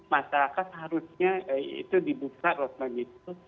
masyarakat harusnya itu dibuka roadmap itu